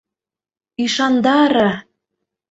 Ӱшандаре!